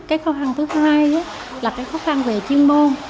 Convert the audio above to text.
cái khó khăn thứ hai là cái khó khăn về chuyên môn